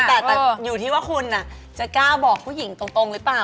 แต่อยู่ที่ว่าคุณจะกล้าบอกผู้หญิงตรงหรือเปล่า